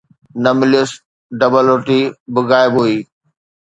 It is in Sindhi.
نه مليس، ڊبل روٽي به غائب هئي.